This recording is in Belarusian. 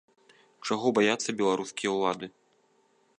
Чаго баяцца беларускія ўлады?